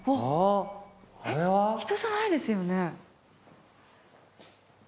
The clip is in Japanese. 人じゃないですよね。